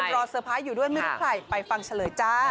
เซอร์ไพรส์อยู่ด้วยไม่รู้ใครไปฟังเฉลยจ้า